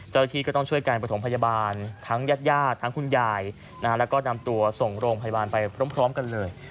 ที่ก็ต้องช่วยการประถมพยาบาลทั้งญาติทั้งคุณยายแล้วก็นำตัวส่งโรงพยาบาลไปพร้อมกันเลย